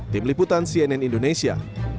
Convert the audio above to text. tim liputan cnn indonesia